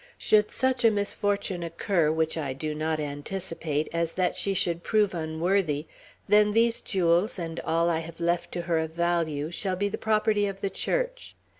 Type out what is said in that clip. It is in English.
Should such a misfortune occur, which I do not anticipate, as that she should prove unworthy, then these jewels, and all I have left to her of value, shall be the property of the Church."